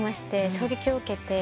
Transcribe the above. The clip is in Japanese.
衝撃を受けて。